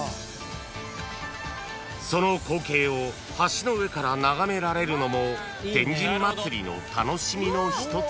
［その光景を橋の上から眺められるのも天神祭の楽しみの一つで］